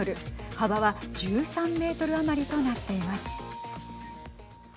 幅は１３メートル余りとなっています。